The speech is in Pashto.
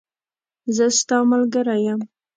زه ستاملګری یم .